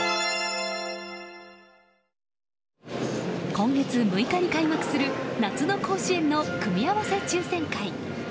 今月６日に開幕する夏の甲子園の組み合わせ抽選会。